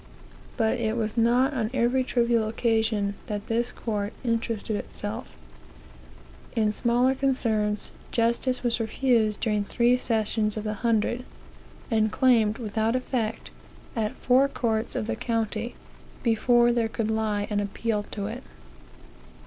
But it was not on every trivial occasion that this court interested itself. In smaller concerns, justice was refused during three sessions of the hundred, and claimed without effect, at four courts of the county, before there could lie an appeal to it.